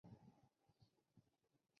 留尼旺椋鸟是一种已灭绝的椋鸟。